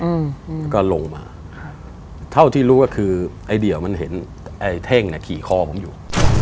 แล้วก็ลงมาเท่าที่รู้ก็คือไอเดี่ยมันเห็นไอเท่งคี่ข้อผมอยู่